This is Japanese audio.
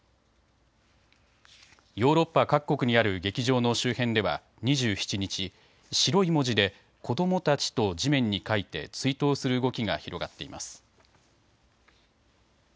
ヨーロッパ各国にある劇場の周辺では２７日、白い文字で子どもたちと地面に書いて追悼する動きが広がっています。